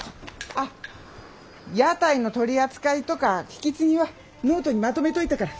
あっ屋台の取り扱いとか引き継ぎはノートにまとめといたから。